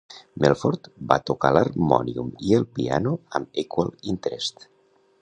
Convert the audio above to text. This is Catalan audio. Melford va tocar l'harmònium i el piano amb Equal Interest.